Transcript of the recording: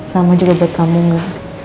sama juga buat kamu enggak